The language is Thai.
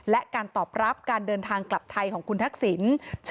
และการตอบรับการเดินทางกลับไทยของคุณทักษิณ